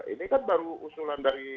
ini kan baru usulan dari